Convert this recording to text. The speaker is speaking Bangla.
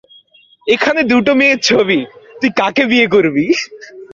এখানে দুটো মেয়ের ছবি তুই কাকে বিয়ে করবি?